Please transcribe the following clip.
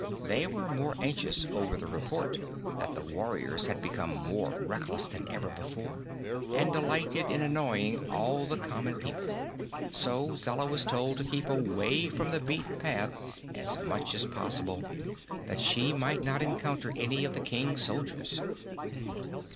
They were more anxious over the report that the warriors had become more reckless than ever before, and delighted in annoying all the common people; so Zella was told to keep away from the beaten path as much as possible, that she might not encounter any of the King's soldiers.